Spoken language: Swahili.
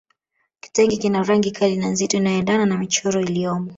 Kitenge kina rangi kali na nzito inayoendana na michoro iliyomo